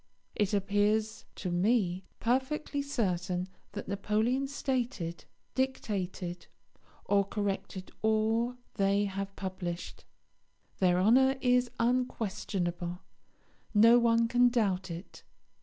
It appears to me perfectly certain that Napoleon stated, dictated, or corrected all they have published. Their honour is unquestionable; no one can doubt it.